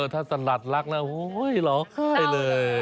ถ้าสลัดลักษณ์แล้วโอ้โฮหลอกให้เลย